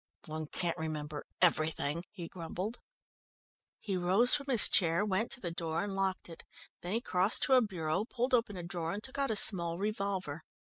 "One can't remember everything," he grumbled. He rose from his chair, went to the door, and locked it. Then he crossed to a bureau, pulled open a drawer and took out a small revolver.